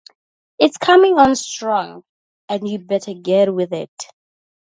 It's coming on strong, and you better get with it.